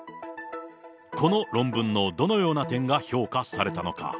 この論文のどのような点が評価されたのか。